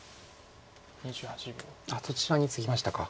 そちらにツギましたか。